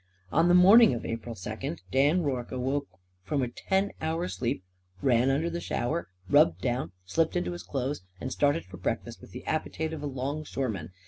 On the morning of April second Dan Rorke awoke from a ten hour sleep, ran under the shower, rubbed down, slipped into his clothes, and started for breakfast with the appetite of a longshoreman.